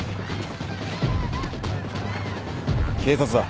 警察だ。